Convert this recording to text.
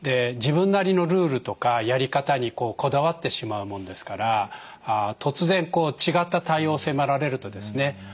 自分なりのルールとかやり方にこだわってしまうもんですから突然違った対応を迫られるとですね